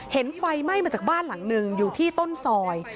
ไฟไหม้มาจากบ้านหลังหนึ่งอยู่ที่ต้นซอย